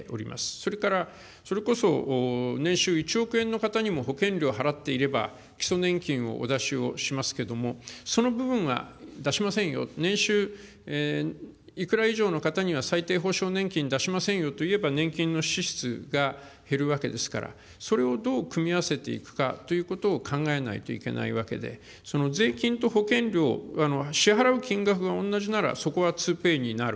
それから、それこそ、年収１億円の方にも保険料を払っていれば、基礎年金をお出しをしますけれども、その部分は出しませんよ、年収いくら以上の方には、最低保障年金出しませんよといえば、年金の支出が減るわけですから、それをどう組み合わせていくかということを考えないといけないわけで、税金と保険料、支払う金額が同じなら、そこはツーペイになる。